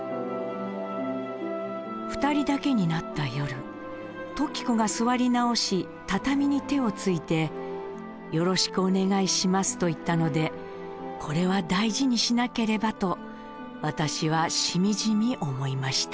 「二人だけになった夜時子が座り直し畳に手をついて『よろしくお願いします』と言ったので『これは大事にしなければ』と私はしみじみ思いました」。